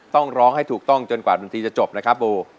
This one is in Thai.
ต้องร้องให้ถูกต้องจนกว่าดนตรีจะจบนะครับโบ